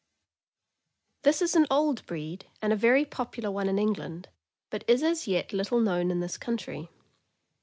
>HIS is an old breed, and a very popular one in Eng land, but is as yet little known in this country.